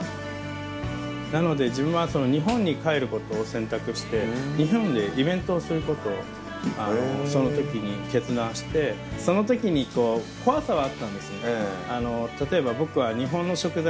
なので自分は日本に帰ることを選択して日本でイベントをすることをその時に決断してその時に怖さはあったんです。